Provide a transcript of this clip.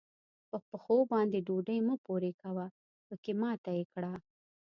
په پښو باندې ډوډۍ مه پورې کوه؛ پکې ماته يې کړه.